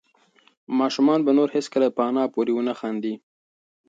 ماشوم به نور هېڅکله په انا پورې ونه خاندي.